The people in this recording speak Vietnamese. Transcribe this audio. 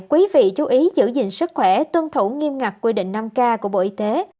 quý vị chú ý giữ gìn sức khỏe tuân thủ nghiêm ngặt quy định năm k của bộ y tế